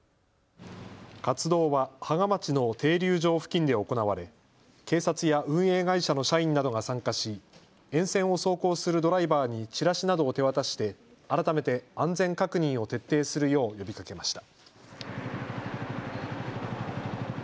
活動は芳賀町の停留場付近で行われ警察や運営会社の社員などが参加し沿線を走行するドライバーにチラシなどを手渡して改めて安全確認を徹底するよう呼びかけました。